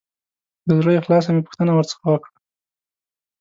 د زړه له اخلاصه مې پوښتنه ورڅخه وکړه.